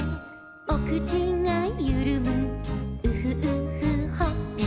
「おくちがゆるむウフウフほっぺ」